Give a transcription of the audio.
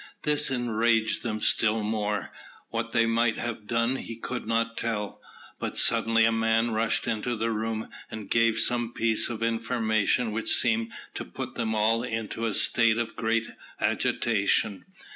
This enraged them still more. What they might have done he could not tell; but suddenly a man rushed into the room, and gave some piece of information which seemed to put them all into a state of great agitation.